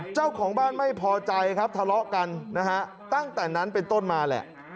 เจ้าของบ้านไม่พอใจครับทะเลาะกันนะฮะตั้งแต่นั้นเป็นต้นมาแหละ